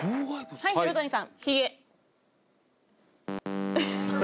はい廣谷さん